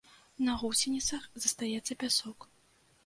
На гусеніцах застаецца пясок.